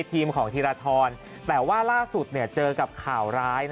ทีมของธีรทรแต่ว่าล่าสุดเจอกับข่าวร้าย